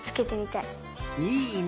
いいね！